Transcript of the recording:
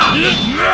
aku akan mencari